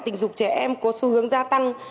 tình dục trẻ em có xu hướng gia tăng